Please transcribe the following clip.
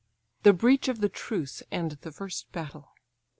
THE BREACH OF THE TRUCE, AND THE FIRST BATTLE.